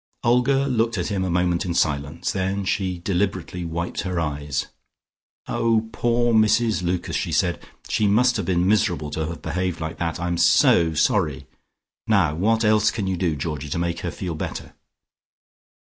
Olga looked at him a moment in silence: then she deliberately wiped her eyes. "Oh, poor Mrs Lucas" she said. "She must have been miserable to have behaved like that! I am so sorry. Now what else can you do, Georgie, to make her feel better?"